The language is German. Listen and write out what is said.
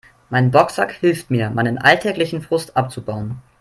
Mein Boxsack hilft mir, meinen alltäglichen Frust abzubauen.